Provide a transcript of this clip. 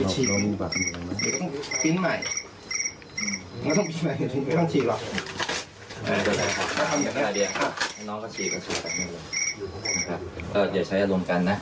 ให้น้องก็ฉีกก็ฉีกอย่าใช้อารมณ์กันนะ